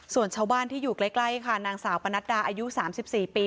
ส่วนชาวบ้านที่อยู่ใกล้ค่ะนางสาวปนัดดาอายุ๓๔ปี